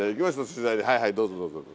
取材にはいはいどうぞどうぞ。